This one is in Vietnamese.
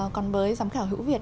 còn với giám khảo hữu việt